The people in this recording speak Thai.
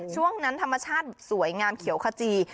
ช่วงนั้นธรรมชาติสวยงามเขียวขจี